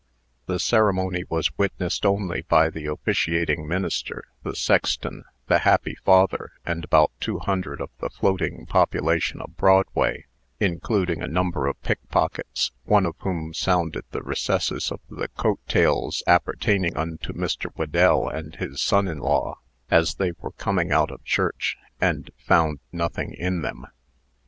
The ceremony was witnessed only by the officiating minister, the sexton, the happy father, and about two hundred of the floating population of Broadway, including a number of pickpockets, one of whom sounded the recesses of the coat tails appertaining unto Mr. Whedell and his son in law, as they were coming out of church, and found nothing in them.